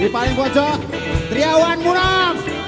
di paling bocok triawan muraf